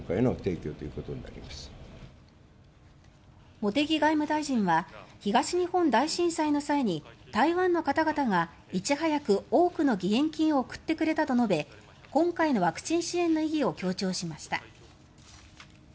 茂木外務大臣は東日本大震災の際に台湾の方々がいち早く多くの義援金を送ってくれたと述べ今回のワクチン支援の意義を強調しました。